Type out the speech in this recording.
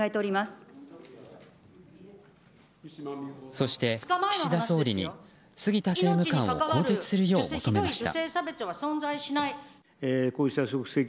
そして岸田総理に杉田政務官を更迭するよう求めました。